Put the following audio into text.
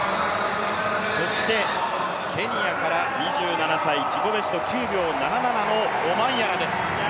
そしてケニアから２７歳、自己ベスト９秒７７のオマンヤラです。